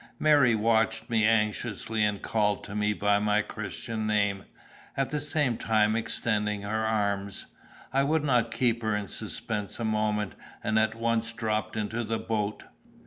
Mary watched me anxiously, and called to me by my Christian name, at the same time extending her arms. I would not keep her in suspense a moment, and at once dropped into the boat.